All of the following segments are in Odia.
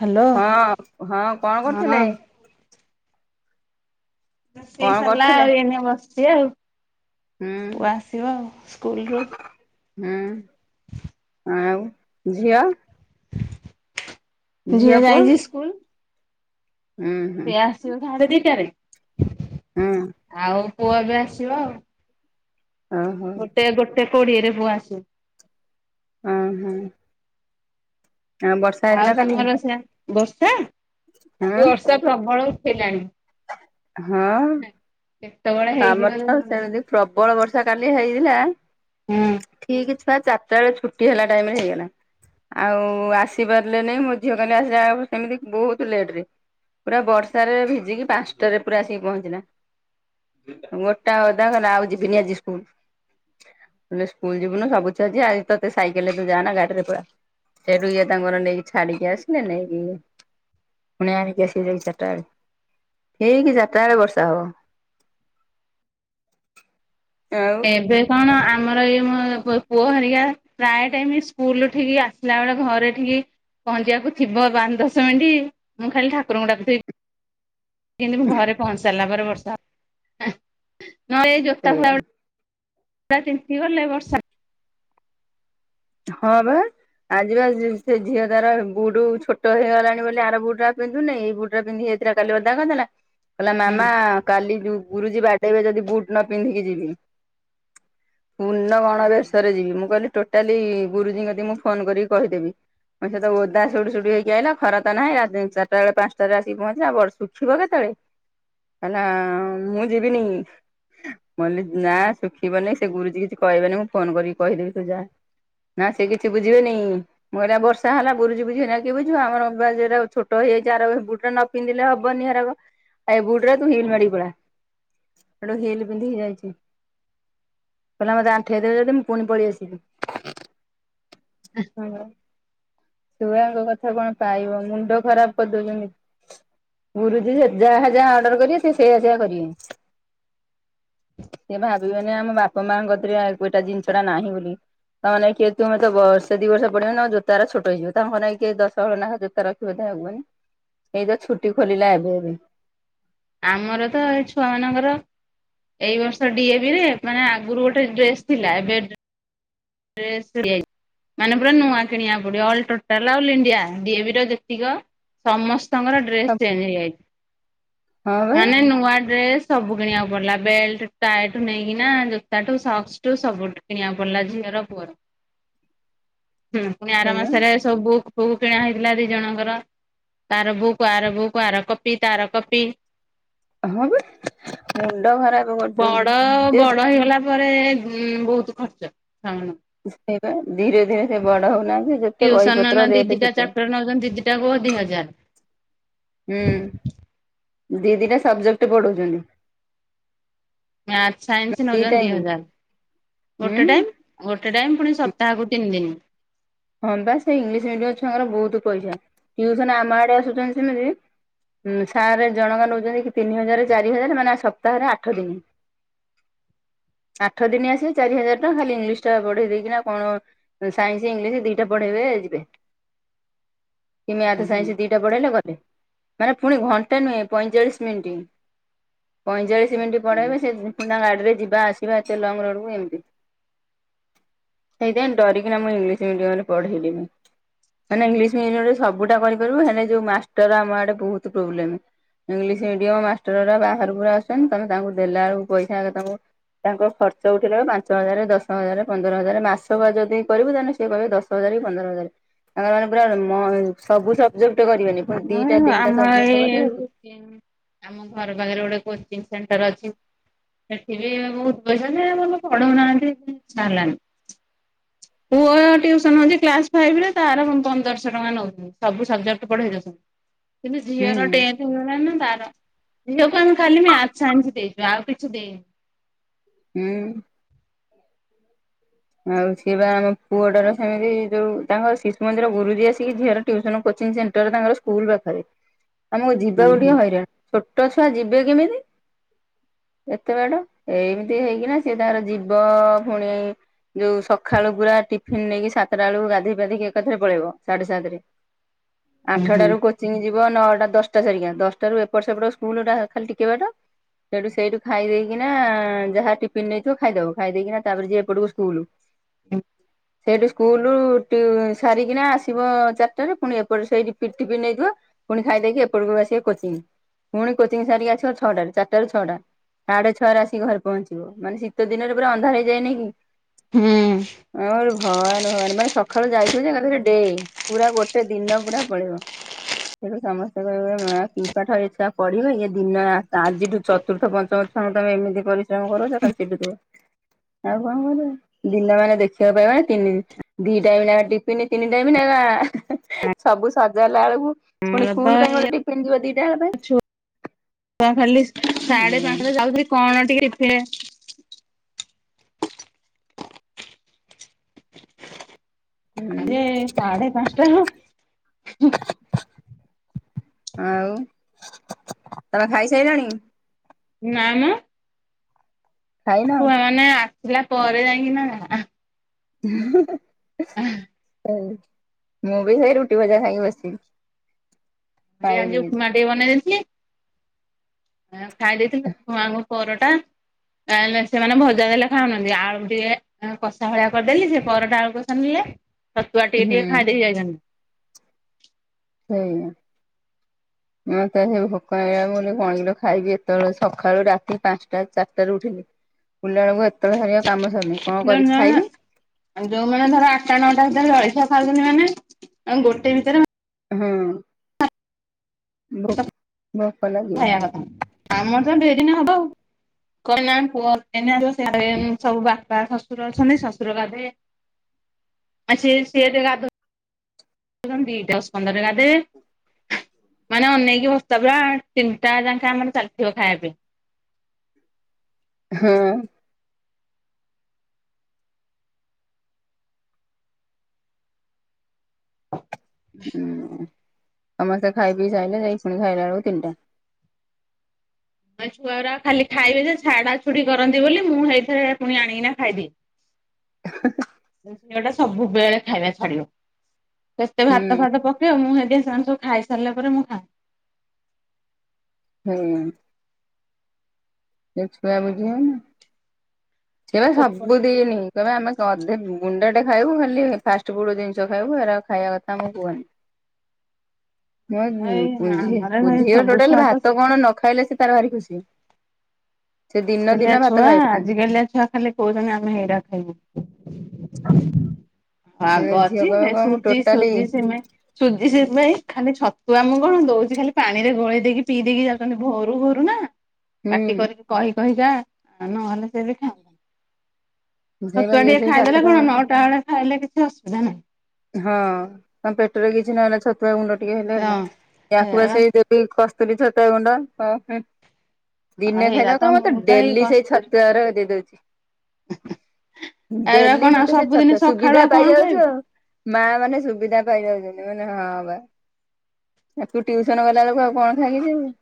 ହ୍ୟାଲୋ। ହଁ ହଁ କଣ ହଁ କରୁଥିଲେ? ରୋଷେଇ କଣ ସରିଲା କରୁଥିଲେ ଆଉ ଏନେ ବସିଛି ଆଉ ହୁଁ ପୁଅ ଆସିବ ଆଉ ସ୍କୁଲରୁ। ହୁଁ। ଆଉ ଝିଅ? ଝିଅ ଯାଇଛି ସ୍କୁଲ? ହୁଁ ହୁଁ ସେ ଆସିବ ସାଡ ଦିଟାରେ। ହୁଁ। ଆଉ ପୁଅ ବି ଆସିବ ଆଉ। ଓହୋ ଗୋଟେ ଗୋଟେ କୋଡିଏରେ ପୁଅ ଆସିବ। ଓ ହୋ। ହେଇଥିଲା ଆଉ କାଲି ତମର ସେ ବର୍ଷା ହଁ ବର୍ଷା ପ୍ରବଳ ଉଠେଇଲାଣି। ହଁ। କେତେବେଳେ ଆମର ହେଇଯିବ ଯେ ତ ଜଣା ନାହିଁ। ସେମିତି ପ୍ରବଳ ବର୍ଷା କାଲି ହେଇଥିଲା ହୁଁ ଠିକ ଛୁଆ ଚାରିଟା ଯେତେବେଳେ ଛୁଟି ହେଲା ଟାଇମ ରେ ହେଇଗଲା। ଆଉ ଆସିପାରିଲେ ନାଇଁ ମୋ ଝିଅ କା ଆସିଲା ସେମିତି ବହୁତ ଲେଟରେ। ପୁରା ବର୍ଷାରେ ଭିଜିକି ପାଞ୍ଚଟାରେ ପୁରା ଆସିକି ପହଞ୍ଚିଲା। ଗୋଟା ଓଦା କହିଲା ଆଉ ଯିବିନି ଆଜି ସ୍କୁଲ। କହିଲେ ସ୍କୁଲ ଯିବୁନୁ ସବୁ ଛୁଆ ଯିବେ ସାଇକେଲ ରେ ତୁ ଯା ନା ଗାଡି ରେ ପଳା। ସେଇଠୁ ଇଏ ତାଙ୍କର ନେଇକି ଛାଡିକି ଆସିଲେ ନେଇକି ପୁଣି ଆଣିକି ଆସି ଯାଇକି ଚାରିଟା ବେଳେ ହେଇକି ଚାରିଟା ବେଳେ ବର୍ଷା ହବ। [unintelligible] ଏବେ କଣ ଆମର ଏଇ ମୋ ପୁଅ ହେରିକା ପ୍ରାୟ ଟାଇମ ସ୍କୁଲ ଠିକି ଆସିଲା ବେଳେ ଘରେ ଠିକି ପହଞ୍ଚିବାକୁ ଥିବ ପାଞ୍ଚ ଦଶ ମିନିଟ୍ ମୁଁ ଖାଲି ଠାକୁରଙ୍କୁ ଡାକୁ ଥିବି କିନ୍ତି ମୁଁ ଘରେ ପହଞ୍ଚି ସାରିଲା ପରେ ବର୍ଷା ନହେଲେ ଏଇ ଜୋତା ସେଇଆ ଫୋତା ଗୁ [unintelligible] ତ ଗଲେ ବର୍ଷା ହଁ ବା। ଆଜି ବା ସେ ଝିଅ ତାର ବୁଟୁ ଛୋଟ ହେଇଗଲାଣି ବୋଲି ଆର ବୁଟ ଟା ପିନ୍ଧୁନି ଏଇ ବୁଟ ଟା ପିନ୍ଧି ସେରା କାଲି ଓଦା କରିଦେଲା କହିଲା ହୁଁ ମାମା କାଲି ଗୁରୁଜୀ ବାଡେଇବେ ଯଦି ବୁଟ ନ ପିନ୍ଧିକି ଯିବି। ପୂର୍ଣ ଗଣବେଶରେ ଯିବି ମୁଁ କହିଲି ଟୋ ଲି ଗୁରୁଜୀ ଙ୍କୁ ଯଦି ମୁଁ ଫୋନ କରିକି କହିଦେବି ସେ ତ ଓଦା ସୁଡୁ ସୁଡୁ ହେଇିକି ଆଇଲା ଖରା ତ ନାହିଁ ରାତି ଚାରିଟା ବେଳେ ପାଞ୍ଚଟାରେ ଆସିକି ପହଞ୍ଚିଲ ବ ଶୁଖିବ କେତେବେଳେ? କହିଲା ମୁଁ ଯିବିନି ମଲ୍ଲିକି ନା ଶୁଖିବନି ସେ ଗୁରୁଜୀ କିଛି କହିବେନି ମୁଁ ଫୋନ କରିକି କହିଦେବି ତୁ ଯା। ନା ସେ କିଛି ବୁଝିବେନି ମୁଁ କହିଲି ବର୍ଷା ହେଲା ଗୁରୁଜୀ ବୁଝିବେନି କିଏ ବୁଝିବ ଆମରା ବା ଜୁରା ଛୋଟ ହେଇଯାଇଛି ଆର ବୁଟୁ ନ ପିନ୍ଧିଲେ ହବନି ହେରକ ଏଇ ବୁଟୁ ଗୁରା ତୁ ହିଲ ମରିକି ପଳା। ହେଠୁ ହିଲି ପିନ୍ଧକି ହେଇଯାଇଛି। କହିଲା ମତେ ଆଣ୍ଠେଇଦେବେ ଯଦି ମୁଁ ପୁଣି ପଳେଇ ଆସିବି। ହୁଁ। ଛୁଆଙ୍କ କଥା କଣ ପାଇବ ମୁଣ୍ଡ ଖରାପ କରିଦଉଛନ୍ତି। ଗୁରୁଜ ଯାହା ଯାହା ଅର୍ଡର କରିବେ ସେ ସେଇଆ ସେଇଆ କରିବେ। ସେ ଭାବିବେନି ଆମ ବାପା ମାଆଙ୍କରେ କତି ରେ ଏ ଗୋଟା ଜିନିଷ ଟା ନାହିଁ ବୋଲି‌ ତା ମାନେ କିଏ ତମେ ବର୍ଷେ ଦି ବର୍ଷ ପଡିବ ନାଉ ଜୋତା ଉରା ଛୋଟ ହେଇଯିବ ତାଙ୍କ ମାନେ କିଏ ଦଶହଳ ନାଖା ଜୋତା ରଖି ସୁବିଧା ହବନି ଏଇ ତ ଛୁଟି ଖୋଲିଲା ଏବେ ଏବେ ଆମର ତ ଏଇ ଛୁଆ ମାନଙ୍କର ଏଇ ବର୍ଷ ଡିଏ ବି ରେ ମାନେ ଆଗରୁ ଗୋଟେ ଡ୍ରେସ ଥିଲା ଏବେ ଡ୍ରେସ ଦି [unintelligible] ମାନେ ପୁରା ନୂଆ କିଣିବାକୁ ପଡିବ all total all India D A V ର ଯେତିକ ସମସ୍ତଙ୍କର ଡ୍ରେସ ହଁ ଚେଞ୍ଜ ହେଇଯାଇଛି ବା ମାନେ ନୂଆ ଡ୍ରେସ ସବୁ କିଣିବାକୁ ପଡିଲା ବେଲଟ ଟାଏ ଟୁ ନେଇକିନା ଜୋତା ଟୁ ସକ୍ସ ସବୁଠୁ କିଣିବାକୁ ପଡିଲା ଝିଅର ପୁଅର ପୁଣି ଆର ସେଇବା ମାସରେ ସବୁ ବୁକ୍ ଫୁକୁ କିଣା ହେଇଥିଲା ଦି ଜଣଙ୍କର। ତାର ବୁକ ଆର ବୁକ, ଆର କପି ତାର କପି ହଁ ବା ମୁଣ୍ଡ ଖରାପ କରୁଛନ୍ତି। ବଡ ସେ ବଡ ହେଇଗଲା ପରେ ଏ ଉଁ ବହୁତୁ ଖର୍ଚ୍ଚ ସାମାନ ସେଇ ବା ଧୀରେ ଧୀରେ ସେ ବଡ ହଉନାହାନ୍ତି ଯେ ଟ୍ୟୁସନ ନା ନା ଦିଦିଟା ଚାପଟର ନଉଛନ୍ତି ଦିଦିଟା କୁ ଦିହଜାର। ହୁଁ ଦିଦିଟା ସବଜେକ୍ଟ ପଢଉଛନ୍ତି। ମାର୍ଥ ସାଇନ୍ସି ନେଉଛନ୍ତି ଦି ହଜାର ଗୋଟେ ହୁଁ। ଟାଇମ୍ ଗୋଟେ ଟାଇମ୍ ପୁଣି ସପ୍ତାହକୁ ତିନି ଦିନ ହଁ ବା ସେ ଇଂଲିଶ ମିଡିୟମ ଛୁଆଙ୍କର ବହୁତ ପଇସା ଟ୍ୟୁସନ ଆମ ଆଡେ ଆସୁଛନ୍ତି ସେମିତି ଉଁ ସାର୍ ଜଣଙ୍କେ ନଉଛନ୍ତି କି ତିନି ହଜାର ଚାରି ହଜାର ମାନେ ସପ୍ତାହରେ ଆଠ ଦିନି ଆଠ ଦିନି ଆସିବେ ଚାରି ହଜାର ଟଙ୍କା ଖାଲି ଇଂଲିଶ ଟା ପଢେଇ ଦେଇକିନା କଣ? ସାଇନ୍ସି ଇଂଲିଶ ଦିଟା ପଢେଇବେ ଯିବେ କି ମାର୍ଥ୍ ହୁଁ ସାଇନ୍ସ ଦି ଦି ଟା ପଢ଼େଇଲେ ଗଲେ ମାନେ ପୁଣି ଘଣ୍ଟେ ନୁହେଁ ପଇଁଚାଳିଶ ମିନିଟ୍ ପଇଁଚାଳିଶି ଦି ମିନିଟ୍ ପଢେଇବେ ସେ ତାଙ୍କ ଗାଡି ରେ ଯିବା ଆସି କିବା ଏତେ ଲଙ୍ଗରୋଡ କୁ ଏମିତି ସେଇଥୀ ପାଇଁ ଡରିକିନା ମୁଁ ଇଂଲିଶ ସେ ଇନଡିଆ ବାଲା ପଢେଇଲେନି। କାହିଁକି ନା ଇଂଲିଶ ମିଡିୟମ ରେ ସବୁଟା କରିପାରିବୁ। ହେନେ ଯୋଉ ମାଷ୍ଟର ଆମ ଆଡେ ବହୁତୁ ପ୍ରୋବ୍ଲେମ। ଇଂଲିଶ ମିଡିୟମ ମାଷ୍ଟରରା ବାହାରକୁରୁ ଆସୁଛନ୍ତି। ତମେ ତାଙ୍କୁ ଦେଲା ବେଳକୁ ପଇସା ତାଙ୍କୁ ତାଙ୍କ ଖର୍ଚ୍ଚ ଉଠିଲା ବେଳକୁ ପାଞ୍ଚ ହଜାର ଦଶ ହଜାର ପନ୍ଦର ହଜାର ମାସକୁ ବା ଯଦି କରିବୁ। ତାହେନେ ଶ କହିବେ ଦଶ ହଜାର କି ପନ୍ଦର ହଜାର। ତାଙ୍କର ମାନେ ପୁରା ମ ସବୁ ସବଜେକ୍ଟ କରିବେନି ପୁଣି ଦିଟା ତିନିଟା ସବଜେକ୍ଟ କରିବେ। କେଇନ ଆମ ଘର ପାଖରେ ଗୋଟେ କୋଚିଂ ସେଣ୍ଟର ଅଛି। ସେଠି ବି ବହୁତ ପଇସା ଯେ ମାନେ ପଢଉନାହାନ୍ତି ଇଛା ହେଲାନି। ପୁଅ ଟିଉସନ ହେଉଛି କ୍ଲାସ୍ ଫାଇପ ରେ ତାର ପନ୍ଦରଶହଙ୍କା ନେଉଥିଲୁ। ସବୁ ସଜେକ୍ଟ ପେଢେଇ ଦଉଚୁ। କିନ୍ତୁ ହୁଁ ଝିଅର ଟେନ ତାର ଝିଅକୁ ଆମେ ଖାଲି ମ୳୲ଥ ସାଇନ୍ସ ଦେଇଚୁ ଆଉ କିଛି ଦେଇନି। ହୁଁ। ଆଉ ସିଏ ବା ଆମ ପୁଅଟା ର ସେମିତି ଯୋଉ ତାଙ୍କ ଶିଶୁ ମନ୍ଦିର ଗୁରୁଜି ଆସିକି ଝିଅର ଟିଉସନ କୋଚିଂ ସେ ହେଟା ବି ତାଙ୍କର ସ୍କୁଲ ପାଖରେ। ହ ଆମକୁ ଯିବାକୁ ଟିକେ ହଇରାଣ। ଛୋଟ ଛୁଆ ଯିବେ କେମିତି ଏତେ ବାଟ ଏଇ ଏମିତି ହେଇକିନା ସିଏ ତାର ଜୀବ ଫୁଣି ଯୋଉ ସକାଳୁ ପୁରା ଟିଫିନ ନେଇକି। ସା ସାତଟା ବେଳକୁ ଗାଧେଇ ପାଧେଇକି ଏକଥରେ ପଳେଇବ। ସାଢେ ସାତରେ ହୁଁ ଆଠଟାରୁ କୋ ଚିଙ୍ଗି ଯିବ ନଅଟା ଦଶଟା ସାରିକା। ଦଶଟା ରୁ ଏପଟ ସେପଟ ସ୍କୁଲ ଟା ଖାଲି ଟିକେ ବାଟ। ସେଠୁ ସେଇଠୁ ଖାଇ ଦେଇକିନା ଯାହା ଟିଫନ୍ ନେଇଥିବ ଖାଇଦବ। ଖାଇ ଦେଇକିନା ତାପରେ ଏପଟକୁ ଯିବେ ସ୍କୁଲ। ହୁଁ। ସେଇଠି ସ୍କୁଲ ଟିଉ ସାରିକିନା ଆସିବ ଚାରିଟାରେ। ପୁଣି ଏପଟ ସେଇଠି ପିଠ ଟିଫିନ ନେଇଥିବ। ଖୁଣି ଖାଇଦେଇକି ଏପଟକୁ ଆସିବେ କୋଚିଙ୍ଗ। ପୁଣି କୋଚି ସାରିକି ଆସିବ ଛଟାରେ ଚାରିଟାରୁ ଛଅଟା। ସାଢେ ଛଅରେ ଆସିକି ଘରେ ପହଞ୍ଚେ। ଥିବ ମାନେ ଶୀତ ଦିନରେ ପୁରା ଅନ୍ଧାର ହେଇଯାଏନି କି? ହୁଁ। ହୁଁ ଆଉ ଭୱାନ ଭୱାନ ମାନେ ସଖାଳୁ ଯାଇଥିବ ଯେ ଏକାଥରେ ଡେ। ପୁରା ଗୋଟେ ଦିନ ପୁରା ପଳେଇବ। ସେଠୁ ସମସ୍ତେ କହିବେ ଏ ମା କି ପାଠ ଏ ଛୁଆ ପଢିବେ। ଇଏ ଦିନ ଆଜିଠୁ ଚତୁର୍ଥ ପଞ୍ଚମ ସତମେ କହିବେ ଏମିତି ପରିଶ୍ରମ କରୁଚ ତାକୁ ଚିଡିଦେବେ। ଆଉ କଣ କରିବେ। ଦିନ ମାନେ ଦେଖିବାକୁ ପାଇବନି ତିନି ଦିଇ ଟାଇମ ନେକା ଟିଫିନ ତିନି ଟାଇମ ନେକା। ସବୁ ସଜାଲା ବେଳକୁ ପୁଣି ଆମର ତ ସ୍କୁଲ ପାଇଁ ଗୋଟେ ଟିଫିନ ଯିବ ଦିଟା ବେଳ ପାଇଁ। କଁ ଖାଲି ସାଢେ ପାଞ୍ଚଟାରେ ଯାଉଚି କଣ ଟିକେ ସେ ଆରେ ସାଢେ ପାଞ୍ଚଟା ହୁଁ। ଆଉ ତମେ ଖାଇସାଇଲଣି। ନାମ। ଖାଇନ? ଛୁଆ ମାନେ ଆସିଲା ପରେ ଯାଇକି ନା ଯାହା। ହୁଁ ହୁଁ ହଉ ମୁଁ ବି ସେଇ ରୁଟି ଭଜା ଖାଇକି ବସିଚି। ଖାଇନି [unintelligible] ଉପମା କିଛି ଟିକେ ବନେଇ ଦେଇଥିଲି। ଖାଇ ଦେଇଥିଲୁ ଉପମା ଆଉ ପରଟା। ନାଇଁ ନାଇଁ ସେମାନେ ଭଜା ଦେଲେ ଖାଉନାହାନ୍ତି। ଆଳୁ ଟିକେ କଷା ଭଳିଆ କରିଦେଲି ସେ ପରଟା ଆଳୁକସା ନେଲେ। ଛତୁଆ ଟିକେ ଟିକେ ହୁଁ ଖାଇଦେଇକି ଯାଇଛନ୍ତି। ସେଇଆ। ମତେ ସେ ଭୋକା ନାଗିଲା। ମୁଁ କହିଲି କଣ କିଲୋ ଖାଇକି ଏତେବେଳେ ସକାଳୁ ରାତି ପାଞ୍ଚଟା ଚାରିଟା ରେ ଉଠିଲି। ଉଠିଲା ବେଳକୁ ଏତଳ ସାରିକା କାମ ସରିନି କଣ କରିକି ଖାଇବି। ଆଉ ଯୋଉମାନେ ଧର ଆଠଟା ନଅଟା ଭିତରେ ଜଳସିଆ ଖାଉଛନ୍ତି ମାନେ ଆ ଗୋଟେ ଭିତରେ ହଁ। ଭୋ ଭୋକ କଥା ଲାଗିବ ଆମର ତ ଦୁଇ ଦିନ ହବ ଆଉ [unintelligible] ସବୁ ବା ବା ଶ୍ୱଶୁର ଅଛନ୍ତି ଶ୍ୱଶୁର ଗାଧେ ଆଉ ସ ସିଏ ଗାଧ [unintelligible] ମାନେ ଅନେଇକି ବତା ଭ ତିନ୍ତା ଯାଙ୍କା ମାନେ ଚାଲିଥିବ ଖାଇବା ପାଇଁ ହଁମ ହୁଁ ସମସ୍ତେ ଖାଇ ପିଇ ସାଇଲେ ଯାଇ ପୁଣି ଖାଇଲା ବେଳକୁ ତିନିଟା ଛୁଆୁରା ଖାଲି ଖାଇବେ ଯେ ଛାଡା ଛୁଡି କରନ୍ତି ବୋଲି ମୁଁ ହେଇଥରେ ପୁଣି ଆଣିକିନା ଖାଇଦିଏ। ହ [unintelligible] ଟା ସବୁବେଳେ ଖାଇବା ଛାଡିବ କେତେ ଭାତ ହୁଁ ଫାତ ମୁଁ ସେଇି ସାଙ୍ଗ ସୁ ଖାଇ ସାରିଲା ପରେ ମୁଁ ଖା ହୁଁ। ସେ ଛୁଆ ବୁଝି ସେ ବା ଖାଏ। ସବୁ ଦିନି। କେ ଆମେ ଅଧେ ଗୁଣ୍ଡା ଟେ ଖାଇବୁ ଖାଲି ଫାଷ୍ଟ ଫୁଡ ଜିନିଷ ଖାଇବୁ ଏରା ଖାଇବା କଥା ଆମକୁ କୁହନି। [unintelligible] ମଁ ଏଇ ଆମର ଭାଇ ପୁଝ ସବୁ ଛୁଆ ଟୋଟାଲ ତ ଭାତ କଣ ନ ଖାଇଲେ ସେ ତାର ଭାରି ଖୁସି। ସେ ଆଜି ଦିନ କାଲିଆ ଦିନ ଭାତ ଛୁଆ ଖାଇବନି ଆଜି କାଲିଆ ଛୁଆ ଖାଲି କହୁଛନ୍ତି ଆମେ ହେଇରା ଖାଇବୁ। [inaudible] ସେ ଆଗ ଝିଅ ଅଛି କହିବ କଣ ମୁଁ ସୁଜି ଟୋଟାଲି ସୁଜି ସିମେଇ। ସୁଜି ଖାଲି ଛତୁଆ ମୁଁ କଣ ଦଉଛି ଖାଲି ପାଣିରେ ଗୋଳେଇ ଦେଇକି ପିଇ ଦେଇକି ଯାଉ ଛନ୍ତି ଭୋରୁ ଭୋରୁ ନା ହୁଁ ପାଟି କରିକି କହି କହି ଯା ନହେଲେ ସେ ବି ଖାଆନ୍ତ ସେଇ ବା ସତୁଆ ଇଏ ଟିକେ ସେଇ ଖାଇଦେଲେ ସାତଟା କଣ ନଅଟା ବେଳେ ଖାଇଲେ କିଛି ଅସୁବିଧା ନାହିଁ। ହଁ ତମ ପେଟରେ କିଛି ନହଲା ଛତୁଆ ଗୁଣ୍ଡ ଟିକେ ହେଲେ ହେଲା ହଁ ୟାକୁ ବା ସେଇ [unintelligible] କସ୍ତୁରୀ ଛତୁଆ ଗୁଣ୍ଡ [unintelligible] ଆଉ ଦିନେ ହେଇରା ତ ଖାଇଦବା କ ମତେ ମୁଁ ତ ଏଇ ଡେଲି ସେଇ କସ୍ତୁରୀ ଛତରେ ଦେଇଦଉଛି। ଏଇରା କଣ ଡେଲି ଆଉ ମତେ ସବୁଦିନ ସେ ସକାଳୁ ସୁବିଧା ଆଉ କଣ ପାଇ ଯାଉଛ ଖାଇବି। ଆଉ। ମା ମାନେ ସୁବିଧା ପାଇଯାଉଛନ୍ତି ମାନେ ହଁ ବା। ଆକୁ ଟ୍ୟୁସନ ଗଲାବେେଳକୁ ଆଉ କଣ ଖାଇକି ଯିବୁ।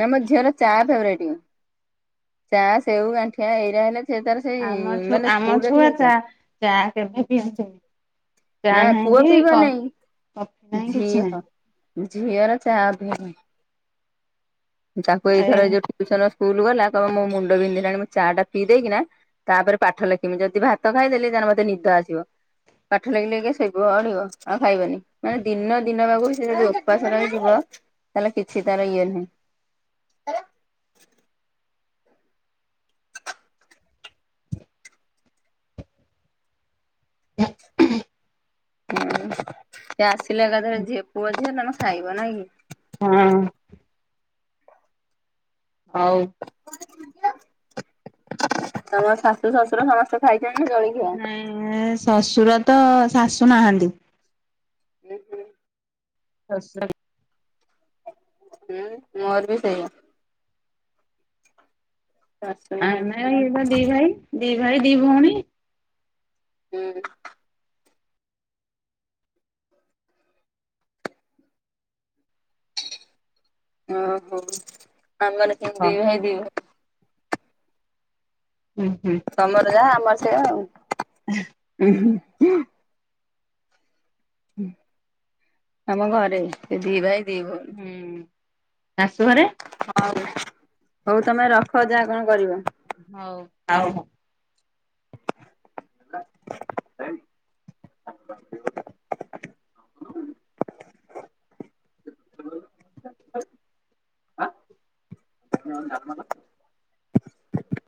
ନା ମୋ ଝିଅର ଚା ଫେବରାଇଟ ଚା ସେଉ ଗାଣ୍ଠିଆ ଏଇରା ହେଲେ ସେ ତାର ସେଇ ମାନେ ସ୍କୁଲ ରେ ହେଇଗଲଛ ଚାକେବେେ [unintelligible] ନା ପୁଅ ପିଇବ ନାଇଁ କଫି ନାହିଁ କିଛି ଝିଅ ନାହିଁ ଝିଅର ଚା ଅଭ୍ୟାସ ଏଇ ତାକୁଏଇଥର ଯୋଉଠ ସ ସ୍କୁଲ ଗଲା କହ ମୋ ମୁଣ୍ଡ ବିନ୍ଧିଲାଣି ମୁଁ ଚା ଟା ପି ଦେଇକି ନା ତାପରେ ପାଠ ଲେଖିବମି ଯଦି ଭାତ ଖାଇଦେଲି ତାହେଲେ ମୋତେ ନିଦ ଆସିବ। ପାଠ ଲେଖି ଲେଖି ଶୋଇପଡିବ ଆଉ ଖାଇବନି। ମାନେ ଦିନ ଦିନ ବାକୁ ସେ ଯଦି ଉପାସନା ହେଇ ଯିବ ତାହେଲେ କିଛି ତାର ଇଏ ନାହିଁ। [unintelligible] ହୁଁ ସେଏ ଆସିଲେ ଏକାଥରେ ଝିଅ ପୁଅ ଝି ହେ ତମେ ଖାଇବ ନାଇଁ କି? ହଁ। ହଉ। ତମ ଶାଶୁ ଶ୍ୱଶୁର ସମସ୍ତେ ଖାଇଛନ୍ତି ଜ ନାଇଁ ଶଶୁର ତ ଶାଶୁ ନାହାନ୍ତି। ହୁଁ ସରି। ହୁଁ ମୋର ବି ସେଇଆ। ଶାଶୁ ନାହାନ୍ତି। ନାଇଁ ଏମାନେ ଦି ଭାଇ ଦି ଭାଇ ଦି ଭଉଣୀ ହୁଁ। ଓହୋ ଆମ ମାନେ କିନ୍ତୁ ଦି ହଉ ଭାଇ ଦି ଭଉଣୀ ହୁଁ ହୁଁ। ତମର ଯାହା ଆମର ସେଇଆ ଆଉ ହୁଁ ଆମ ଘରେ ସେ ଦି ଭାଇ ଦି ଭଉ ହୁଁ ଶାଶୁ ଘରେ? ହଉ ହଉ ତମେ ରଖ ଯାହା କଣ କରିବ। ହୋଉ। [unintelligible]